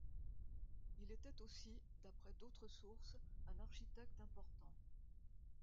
Il était aussi, d’après d’autres sources, un architecte important.